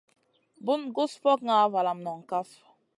Bun gus fokŋa valam noŋ kaf.